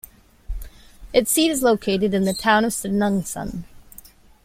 Its seat is located in the town of Stenungsund.